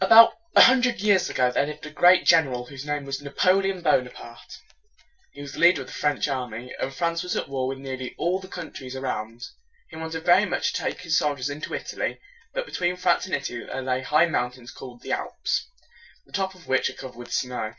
About a hundred years ago there lived a great gen er al whose name was Na po´le on Bo´na parte. He was the leader of the French army; and France was at war with nearly all the countries around. He wanted very much to take his soldiers into It a ly; but between France and Italy there are high mountains called the Alps, the tops of which are covered with snow.